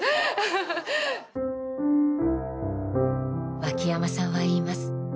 脇山さんは言います。